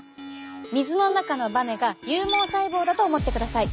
水の中のバネが有毛細胞だと思ってください。